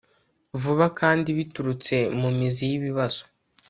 vuba kandi biturutse mu mizi y'ibibazo